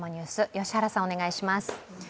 良原さん、お願いします。